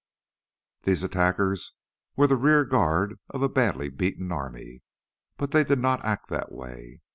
These attackers were the rear guard of a badly beaten army, but they did not act that way.